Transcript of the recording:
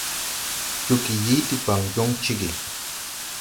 Joge yii debaŋ jɔŋ cege.